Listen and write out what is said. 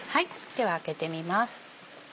では開けてみます。